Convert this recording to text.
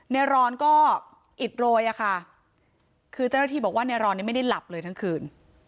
ในรอนก็อิดโรยอะค่ะคือเจ้าหน้าที่บอกว่าในรอนนี้ไม่ได้หลับเลยทั้งคืน